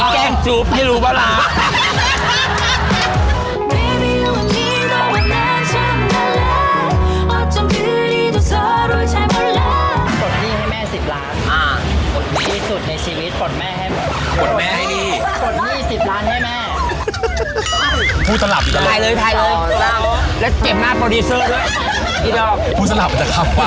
แกล้งจู๊บไม่รู้ปะละ